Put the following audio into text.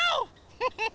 フフフ。